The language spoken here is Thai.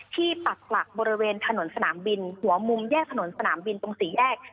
ปักหลักบริเวณถนนสนามบินหัวมุมแยกถนนสนามบินตรงสี่แยก